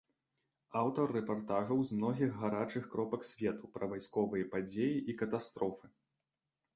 Аўтар рэпартажаў з многіх гарачых кропак свету, пра вайсковыя падзеі і катастрофы.